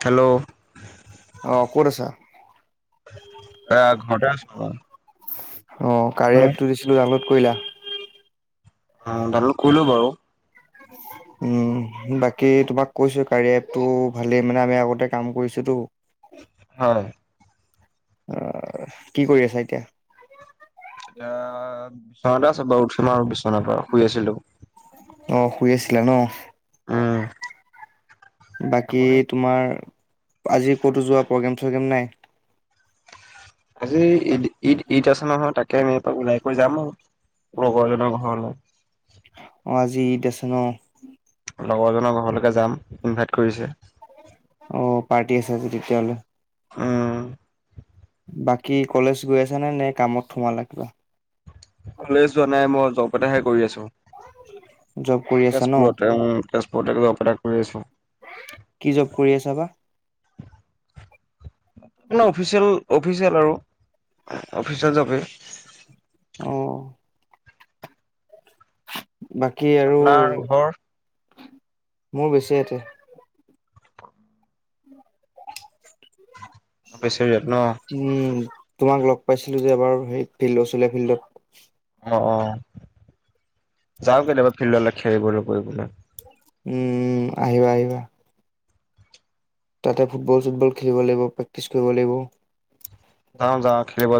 Hello অ ক'ত আছা এ ঘটাই আছ অ কাৰি এপ টো দিছিলো ডালত কৰিলা অ ডান লোদ কৰিলো বাৰু উম বাকী তোমাক কৈছোঁ কাৰাি এপটো ভালেই মানে আমি আগতে কাম কৰিছোতো হয় অহ কি কৰি আছা এতিয়া এতিয়া বিশ্বনাতে আছো বাৰু উঠিম আৰু বিশ্বনাৰ পৰা শুই আছিলোঁ অ শুই আছিলা ন উম বাকী আপুনি তোমাৰ আজি ক'তো যোৱা প্ৰগ্ৰেম থু গেম নাই আজি ঈদ ঈদ ঈদ আছে নহয় তাকে আমি এপ ওলাই কৈ যাম আৰু লগৰ এজন ঘৰলে অ আজি ইদ আছে ন লগৰজনৰ ঘৰলৈকে যাম ইনভাইট কৰিছে অ পাৰ্টি আছে আজি তেতিয়াহলে উম বাকী কলেজ গৈ আছ নে নে কামত সোমালা কিবা কলেজ যোৱা নাই মই জৱ এটাহে কৰি আছোঁ। জব কৰি আছা ন তেজপুৰতে উ তেজপুৰ পৰটেক এটা উপৰটেক কৰি আছোঁ কি জব কৰি আছা বা অফিচিয়েল অফিচিয়েল আৰু অফিচিয়েল অ যাপেই বাকী আৰু আপোনাৰ ঘৰ মোৰ বেছি এয়াতে বেচেৰিয়াত ন' অ', উম তোমাক লগ পাইছিলো যে এবাৰ সেই ফিল্ড চীয়া ফিল্ডত অঁ অ যাওঁ কেতিয়াবা ফিল্ডলৈ খেলিবলৈ কৰিব পোাই উম আহিবা আহিবা তাতে ফুটবল চুটবল খেলিব লাগিব প্ৰেক্টিছ কৰিব লাগিব যাওঁ যা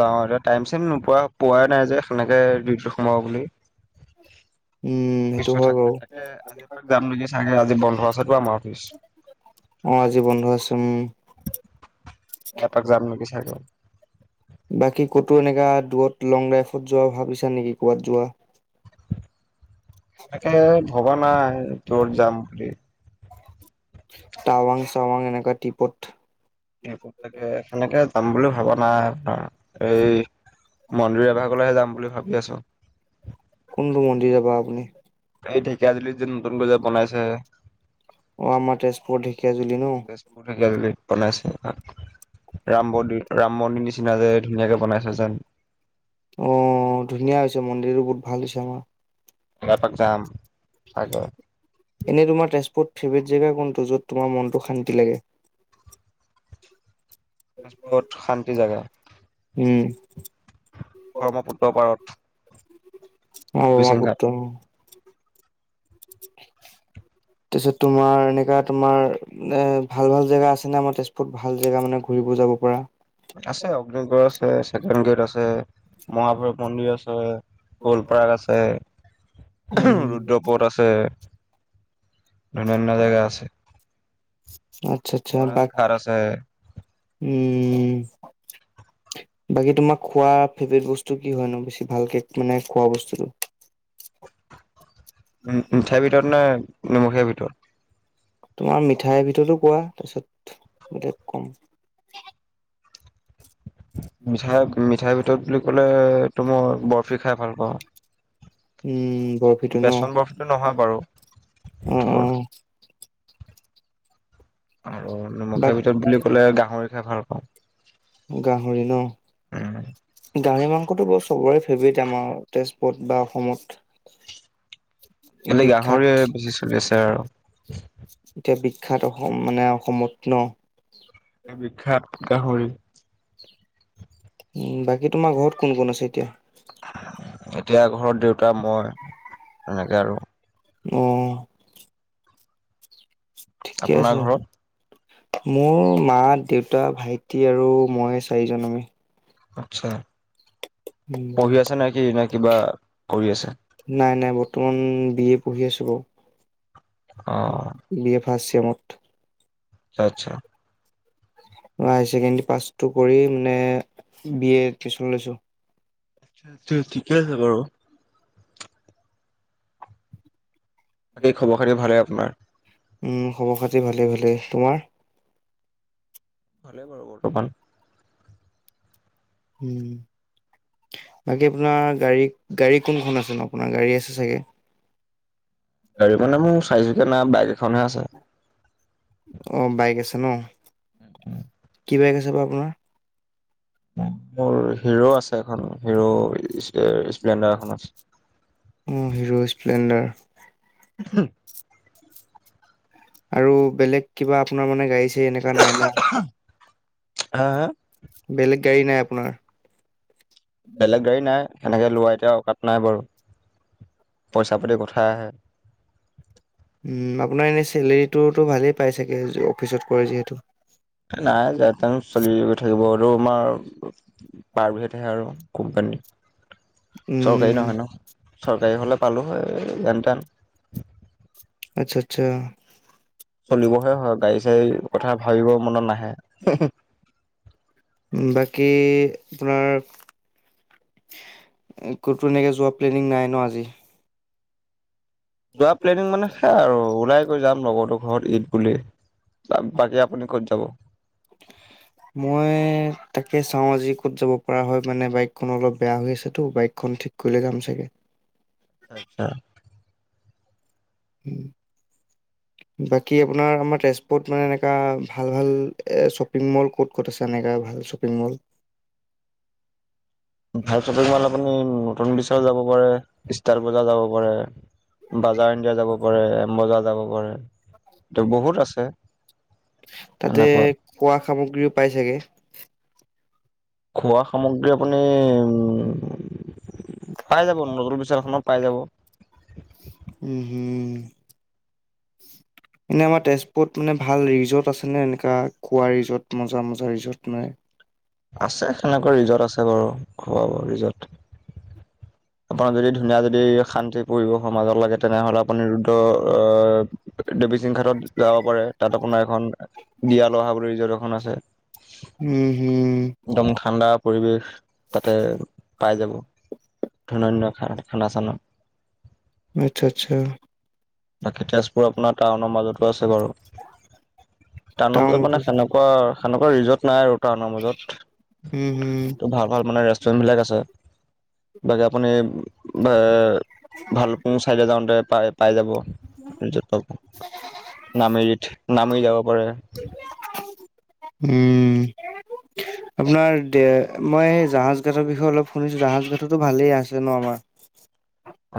যাওঁ এ টাইম চিম নোপোৱা পোৱাই নাই যে সেনেকৈ ঋত সোমাব বুলি উম, সেইটো অফিচো হয় থাকে বাৰু তাকে আজি এপাক যাম নেকি চাগে আজি বন্ধ আছেতো আমাৰ অফিচ তম এপাক যাম নেকি চাগে বাকী ক'তো এনেককাা দূৰত লং ড্ৰাইভত যোৱা ভাবিছা নেকি ক'বাত যোৱা এনেকে ভবা নাই তত যাম বুলি টাৱাং চাৱাং এনেকা টিপট সেইতাকে সেনেকে যাম বুলি ভাৱনা এই মন্দিৰ এভাগলৈহে যাম বুলি ভাবি আছো শু এই ঢেকীয়াাজুলী অ আমাৰ তেজপুৰত ঢেকীয়াজুলিী ন তেজপুৰ বনাইছে ৰাম মন্দিৰ ৰাম মন্দিৰ নিচিনা যে ধুনীয়াকে বনাইছে যেন অ ধুনীয়া হৈছে মন্দিৰো বহুত ভাল হৈছে আমাৰ বপাক যাম আগে এনে তোমাৰ তেজপুৰত ফেভৰেট জেগা কোনটো য'ত তোমাৰ মনটো শান্তি লাগে শা জেগা উম ব্ৰহ্মপুত্ৰ পাৰত বিচিং ঘাট ব্ৰহ্মপুত্ৰ পাৰত তাৰপিছত তোমাৰ এনেকা তোমাৰ এ ভাল ভাল জেগা আছে নে আমাৰ তেজপুৰত ভাল জেগা মানে ঘুৰিব যাব পৰা আছে অগ্নিগড় আছে। ছেকেণ্ডগেড আছে মহাভৈৰৱ মন্দিৰ আছে অ গলপাৰ্ক আছে উম, ৰুদ্ৰপথ আছে অন্যান্য জেগা আছে আচ্ছা আচ্ছা গণেশ বাকী ঘাট আছে উম উ বাকী তোমাক খোৱা ফেভৰাইট বস্তু কি হয় নো বেছি ভালকে মানে খোৱা বস্তুটো উ মিঠাই ভিতৰত নে নিমখীয়া ভিতৰত তোমাৰ মিঠাইৰ ভিতৰতো কোৱা তাৰপিছত বোলে কম মিঠাই মিঠাইৰ ভিতৰত বুলি ক'লে তো মই বৰফি খাই ভাল পাওঁ উম বৰফিটো ন বেচন বৰফিটো নহয় বাৰু অ এইটো অ বৰফি। আৰু বাক নিমখৰ ভিতৰত বুলি ক'লে গাহৰি খাই ভালপাঁও গাহৰি ন উম, গাহৰি মাংসটো বস্তু সবৰে ফেভৰেট আমাৰ তেজপত বা অসমত এনে বিখ্যাত গাহৰিয়ে বেছি চলি আছে আৰু উ এতিয়া বিখ্য্াত অসম মানে অসমত্ন এইেই বিখ্যাত গাহৰি উ বাকী তোমাৰ ঘৰত কোন কোন আছে এতিয়া এতিয়া ঘৰত দেউতা মই তেনেকে আৰু উম আপোনাৰ ঘৰত মোৰ মা দেউতা ভাইটি আৰু মই চাৰিজন আমি আচ্ছা উম। পঢ়ি আছে নে কি নে কিবা কৰি আছে নাই নাই বৰ্তমান বি এ পঢ়ি আছোঁ বাৰু অ ফাৰ্চ চেমত আচ্ছা মই হায়াৰ ছেকেণ্ডী পাছটো কৰি মানে বি এ এডমিচন লৈছো টো ঠিকে আছে বাৰু তাকেই খবৰ খাতি ভালে আপোনাৰ উ খবৰ খাতি ভালে ভালে তোমাৰ ভাল বাৰু বৰ্তমান বাকী আপোনাৰ গাড়ী গাড়ী কোনখন আছে আপোনাৰ গাড়ী আছে চাগে গাড়ী মানে মই চাৰিচকীয়া নাই বাইক এখনহে আছে অ বাইক আছে ন উম উম কি বাইক আছে বাৰু আপোনাৰ মোৰ হিৰো আছে এখন হিৰো স্প্লেণ্ডাৰ এখন আছে অ হিৰো স্প্লেণ্ডাৰ হ আৰু বেলেগ কিবা আপোনাৰ মানে গাড়ী চাৰি এনেকা নাই ন হা হা বেলেগ গাড়ী নাই আপোনাৰ বেলেগ গাড়ী নাই এনেকে লোৱা এতিয়া অকাত নাই বাৰু পইচা পাতিৰ কথা আহে উম আপোনাৰ এনে চেলেৰীটোতো ভালেই পাই চাগে অফিচত কৰে যিহেতু নাই যেন তেন চলি থাকিব আৰু আমাৰ আৰু আমাৰ প্ৰাইভেটহে আৰু কোম্পানী চৰকাৰী উম নহয় ন চৰকাৰী হলে পালো যেনটেন আচ্ছা আচ্ছা চলিবহে হয় গাড়ী চাড়ী কথা ভাবিব মনত নাহে বাকী আপোনাৰ ক'তো এনেকৈ যোৱা প্লেনিং নাই ন আজি যোৱা প্লেনিং মানে সে আৰু ওলাই গৈ যাম লগো ঘৰ ঈদ বুল বাকী আপুনি ক'ত যাব মই তাকে চাওঁ আজি ক'ত যাব পৰা হয় মানে বাইকখন অলপ বেয়া হৈ আছেতো বাইকখন ঠিক কৰিলে যাম চাগে আচ্ছা আচ্ছা বাকী আপোনাৰ আমাৰ তেজপুত মানে এনেকুৱা ভাল ভাল শ্বপিং মল ক'ত ক'ত আছে এনেকুৱা ভাল শ্বপিং মল ভাল শ্বপিং মল আপুনি নতুন বিচাৰ যাব পাৰে ষ্টাৰ বজাৰ যাব পাৰে বাজাৰ ইণ্ডিয়া যাব পাৰে এম বজাৰ যাব প কৰে তটো বহুত আছে তাতে এনেকুৱা। খোৱা সামগ্ৰীও পাই চাগে খোৱা সামগ্ৰী আপুনি অ পাই যাব ন নতুন বিশাল খনত পাই যাব উম হম এনে আমাৰ তেজপুৰত মানে ভাল ৰিজৰ্ট আছে নে এনেকা খোৱা ৰিজৰ্ট মজা মজা ৰিজৰ্ট মে আছে সেনেকুৱা ৰিজৰ্ট আছে বাৰু খুৱাব বোৱা ৰিজৰ্ট আপোন যদি ধুনীয়া যদি শান্তি পৰিব সমাজত লাগে তেনেহ'লে আপুনি ৰুদ্ৰ দেৱী সিং ঘাটত যাব পাৰে তাত আপোনাৰ এখন দিয়া লহা বুলি ৰিজৰ্ট এখন আছে উম হম একদম ঠাণ্ডা পৰিৱেশ তাতে পাই যাব ঠান্দা দিনৰ খানা চানা আচ্ছা আচ্ছা বাকী তেজপুৰ আপোনাৰ টাউনৰ মাজতো আছে বাৰু টাউনত যে টাউনতো মানে আছে। সেনেকুৱা সেনেকা ৰিজৰ্ট নাই আৰু টাউনৰ ‌মাজত উম হম ত ভাল ভাল মানে জোনবিলাক আছে বাকী আপুনি ভালুকপুং চাইদে যাওঁতে পাই পাই যাব নামৰিত নামৰি যাব পাৰে উম আপোনাৰ দে মই স জাহাজ গাটৰ বিষয়ে অলপ শুনিছো জাহাজ গাততো ভালেই আছে ন আমাৰ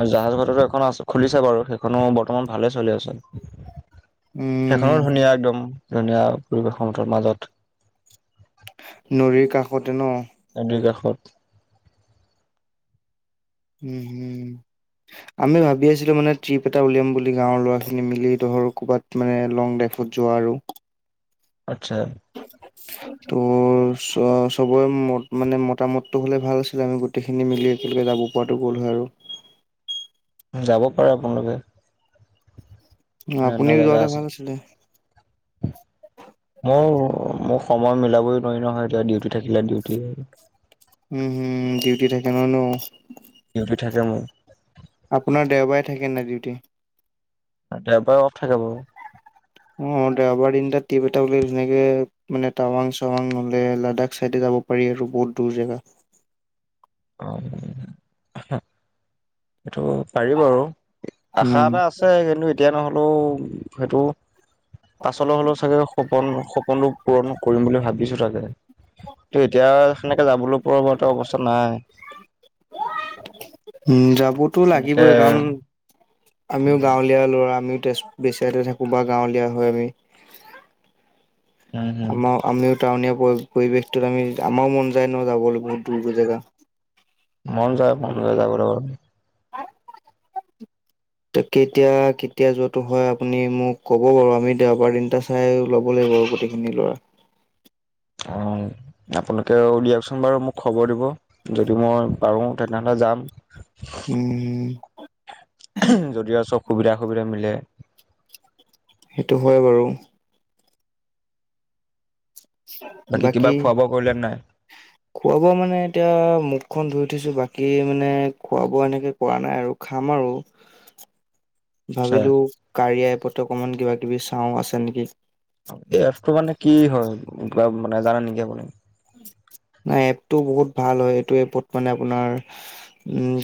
আৰু জাহাজ ঘাটো এখন খুলিছে বাৰু সেইখনো বৰ্তমান ভালে চলি আছে সেইখনো উম ধুনীয়া একদম ধুনীয়া পৰিৱেশতৰ মাজত নদীৰ কাষতে ন নদীৰ কাষত উ আমি ভাবি আছিলো মানে ট্ৰিপ এটা উলিয়াম বুলি গাঁৱৰ ল'ৰাখিনি মিলি ধৰ ক'ৰবাত মানে লং ড্ৰাইভত যোৱা আৰু আচ্ছা [unintelligible] যাব পাৰে আপোনালোকে আপুনিও যোৱা জাগা হ'লে আছে ভাল আছিলে অ অ মোক সময় মিলাবই নোৱাৰি নহয় এতিয়া ডিউটি থাকিলে ডিউটি উম হম ডিউটি থাকে নহ ন ডিউটি থাকে মোৰ আপোনাৰ দেওবাৰে থাকে নাই ডিউটি এবাৰ অফ থাকাবাৰ অ দেওবাৰ দিনাত ট্ৰিপ এটা বুলিলে ধুনেকে মানে টাৱাং চাৱাং হলে লাডাখ চাইডে যাব পাৰি আৰু বহুত দূৰ জেগা অ সেইটো পাৰি আৰু উম। আশা এটা আছে কিন্তু তেতিয়া নহ'লেও সেইটো পাছলৈ হ'লেও চাগে সপোন সপোনটো পূৰণ কৰিম বুলি ভাবিছো তাগে ত এতিয়া সেনেকে যাবলৈ পৰ্বত অৱস্থা নাই উম যাম বতো লাগিবই কাৰণ সেনেকে আমিও গাঁৱলীয়া ল'ৰা আমিও বেচাৰ থাকো বা গাঁৱলীয়া হয় আমি উম, হুম, আমাৰ আমিও টাউনিয়া পৰিৱেশটোত আমি আমাৰো মন যায় ন যাবলৈ বহুত দূৰ দূৰ জেগা মন যায় মন যায় যাবলৈ ত কেতিয়া কেতিয়া যোৱাটো হয় আপুনি মোক ক'ব বাৰু আমি দেওবাৰ দিন এটা চাই ল'ব লাগিব গোটেইখিনি ল'ৰা অঁ আপোনালোকে উলিয়াওকচোন বাৰু মোক খবৰ দিব যদি মই পাৰোঁ তেনেহ'লে যাম উম হম যদি আৰু চব সুবিধা সুবিধা মিলে সেইটো হয় বাৰু কিবা বাকী খোৱা বোৱা কৰিলে নাই খোৱা বোৱা মানে এতিয়া মুখখন ধুই উঠিছো বাকী মানে খোৱা বোৱা এনেকে কৰা নাই আৰু খাম আৰু আচ্ছা, ভাবিলো কাৰি আই পত্ৰকমান কিবা বি চাওঁ আছে নেকি টো মানে কি হয় কিবা মানে জানে নেকি আপুনি? হয় এপটো বহুত ভাল হয় এইটো এপট মানে আপোনাৰ ও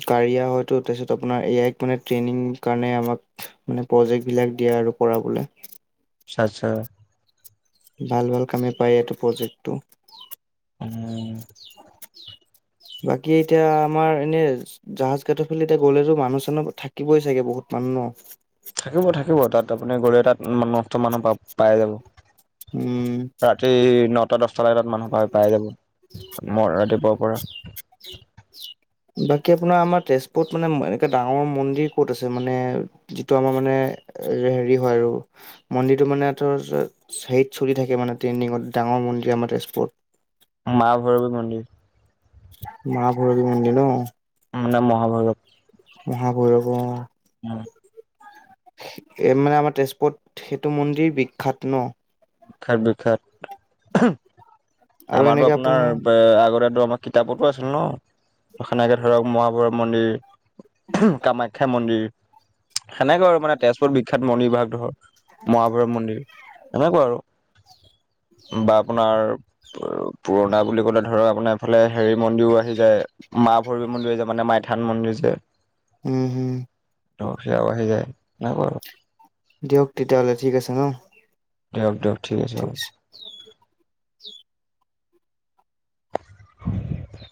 কাৰিয়াৰ হয়টো তাৰপিছত আপোনাৰ এয়াইক ট্ৰেনিং কাৰণে আমাক মানে প্ৰজেক্ট বিলাক দিয়ে আৰু কৰাবলৈ আটচ্ছা আটচ্ছা ভাল ভাল কামে পায় এইটো প্ৰজেক্টটো উম বাকী এতিয়া আমাৰ এনে জাহাজ কাটৰ ফি এতিয়া গ'লেতো মানুহ চানো থাকিবই চাগে বহুত মানুহ ন থাকিব থাকিব তাত আপুনি গলে তাত মষ্ট মানুহ পাই যাব উম ৰাতি ন চলাই তাত মানুহ পাই যাব মই ৰাতিপুৱাৰ পৰা বাকী আপোনাৰ আমাৰ তেজপুৰত মানে এনেকে ডাঙৰ মন্দিৰ ক'ত আছে মানে যিটো আমাৰ মানে হেৰি হয় আৰু মন্দিৰটো মানে ধৰ হেৰিত চলি থাকে মানে ট্ৰেন্ডিঙত ডাঙৰ মন্দিৰ আমাৰ তেজপুৰত মা ভৈৰৱী মন্দিৰ মা ভৰৱী মন্দিৰ অ মানে মহাভৈৰব উ এ মানে আমাৰ তেজপুৰত সেইটো মন্দিৰ বিখ্যাত ন বিখ্যাত বিখ্যাত আৰু আমাৰটো এনেকে আপোনাৰ আগতেটো আমাৰ কিতাপতো আছিল ন সেনেকে ধৰক মহাভৈৰৱ মন্দিৰ কামাখ্যা মন্দিৰ সেনেকৈ আৰু মানে তেজপুৰত বিখ্যাত মন্দিৰ বিগ ধৰ মহাভৈৰৱ মন্দিৰ এনেকুৱা আৰু বা আপোনাৰ পুৰণা বুলি ক'লে ধৰক আপোনাৰ এইফালে হেৰি মন্দিৰো আহি যায় মা ভৈৱী মন্দিৰ য মানে মাইথান মন্দিৰ যে উম হম অ সেয়াৱ হৈ যায় ন বাৰ দিয়ক তেতিয়াহ'লে ঠিক আছে ন দিয়ক দিয়ক ঠিক আছে অ [unintelligible]